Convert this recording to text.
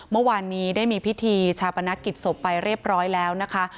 เมื่อวานนี้ได้มีพิธีชาปนกิจศพไปเรียบร้อยแล้วนะคะ